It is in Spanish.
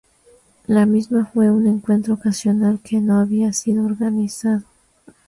La misma fue un encuentro ocasional que no había sido organizado.